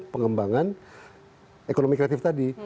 pengembangan ekonomi kreatif tadi